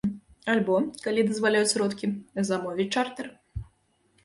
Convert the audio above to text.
Альбо, калі дазваляюць сродкі, замовіць чартэр.